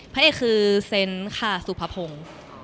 พระเอกคือเซ็นซ์ค่ะซูพะพง